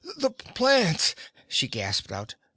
"The plants!" she gasped out.